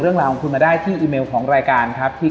เรื่องราวของคุณมาได้ที่อีเมลของรายการครับ